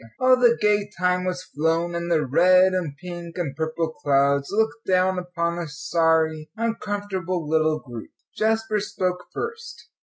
All the gay time was flown, and the red and pink and purple clouds looked down upon a sorry, uncomfortable little group. Jasper spoke first.